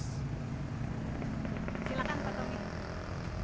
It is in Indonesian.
silahkan pak tommy